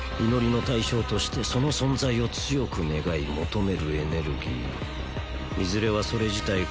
祈りの対象としてその存在を強く願い求めるエネルギーいずれはそれ自体